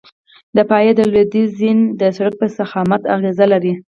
د پایې د لوډ ډیزاین د سرک په ضخامت اغیزه لري